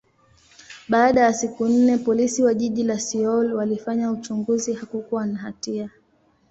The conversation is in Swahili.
baada ya siku nne, Polisi wa jiji la Seoul walifanya uchunguzi, hakukutwa na hatia.